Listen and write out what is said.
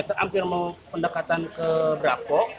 hampir mau pendekatan ke brapok